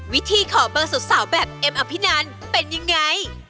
วิธีขอบังสุขสาวแบบเอ็มอภินาทเป็นยังไง